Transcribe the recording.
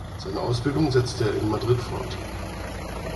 Seine Ausbildung setzte er in Madrid fort.